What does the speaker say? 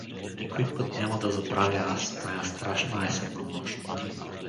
Никой път няма да забравя аз тая страшна есенна нощ.